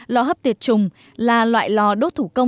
lo hấp tiệt trùng là loại lo đốt thủ công